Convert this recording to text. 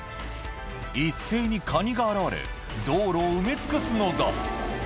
一斉にカニが現れ、道路を埋め尽くすのだ。